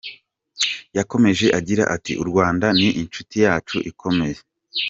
Yakomeje agira ati “U Rwanda ni inshuti yacu ikomeye.